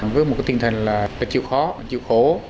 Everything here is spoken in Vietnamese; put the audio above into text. với một tinh thần là chịu khó chịu khổ